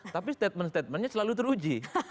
tapi statement statementnya selalu teruji